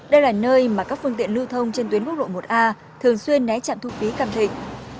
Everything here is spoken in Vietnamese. đây là nơi mà các phương tiện lưu thông trên tuyến quốc lộ một a thường xuyên né trạm thu phí cam thịnh